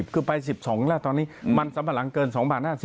คือไป๑๒บาทแล้วตอนนี้มันสำหรับหลังเกิน๒บาท๕๐บาท